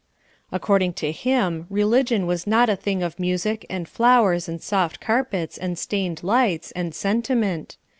According to him religion was not a thing of music, and flowers, and soft carpets, and stained lights, and sentiment.